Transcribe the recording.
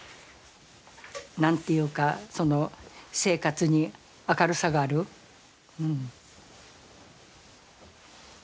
何て言うかその生活に明るさがあるうん。